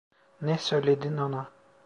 Ne söyledin ona?